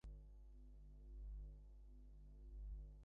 ইচ্ছা করে ছবিটা থেকে চোখ ফিরিয়ে নেয়, পারে না।